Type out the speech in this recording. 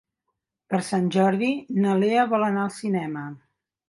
Per Sant Jordi na Lea vol anar al cinema.